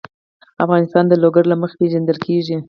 افغانستان د لوگر له مخې پېژندل کېږي.